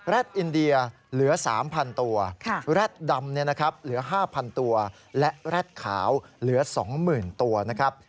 อินเดียเหลือ๓๐๐๐ตัวแร็ดดำเหลือ๕๐๐๐ตัวและแร็ดขาวเหลือ๒๐๐๐ตัวนะครับ